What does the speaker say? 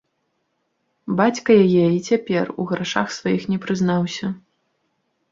Бацька яе і цяпер у грашах сваіх не прызнаўся.